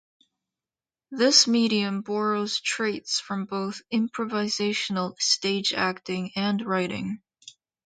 This medium borrows traits from both improvisational stage acting and writing.